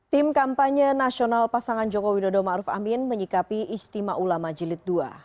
tim kampanye nasional pasangan joko widodo ma'ruf amin menyikapi istimewa majelit ii